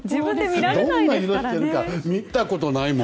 どんな色してるか見たことないもん。